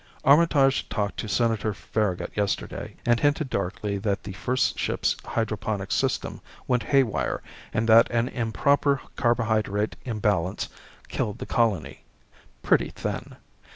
Armitage talked to Senator Farragut yesterday and hinted darkly that the first ship's hydroponics system went haywire and that an improper carbohydrate imbalance killed the colony. Pretty thin.